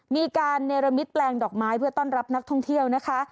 มีการเนรมิตแปลงดอกไม้เพื่อต้อนรับนักท่องเที่ยวนะคะ